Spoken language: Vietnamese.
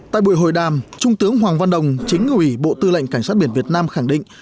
tại buổi hội đàm trung tướng hoàng văn đồng chính ủy bộ tư lệnh cảnh sát biển việt nam khẳng định